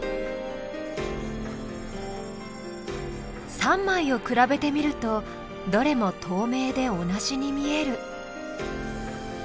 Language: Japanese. ３枚を比べてみるとどれもとうめいで同じに見える。